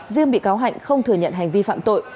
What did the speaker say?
riêng bị cáo hạnh không thừa nhận hành vi phạm tội